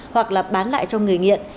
hoặc là bán lại cho người nghiện